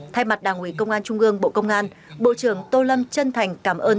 thay mặt đảng ủy công an trung gương bộ công an bộ trưởng tô lâm chân thành cảm ơn